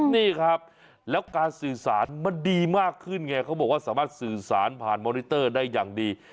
นี่ครับแล้วการสื่อสารมันดีมากขึ้นไงเขาบอกว่าสามารถสื่อสารผ่านมอนิเตอร์ได้อย่างดี